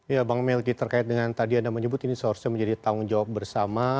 ya bang melki terkait dengan tadi anda menyebut ini seharusnya menjadi tanggung jawab bersama